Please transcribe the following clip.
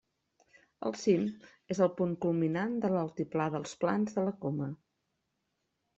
El cim és el punt culminant de l'altiplà d'Els Plans de la Coma.